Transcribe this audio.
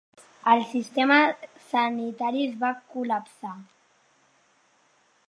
El sistema sanitari es va col·lapsar.